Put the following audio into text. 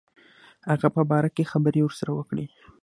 هغه په باره کې خبري ورسره وکړي.